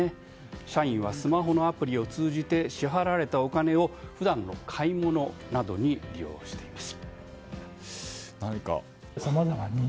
社員はスマホのアプリを通じて支払われたお金を普段の買い物などに利用しています。